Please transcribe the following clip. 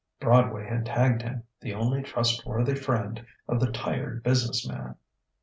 Broadway had tagged him "the only trustworthy friend of the Tired Business Man."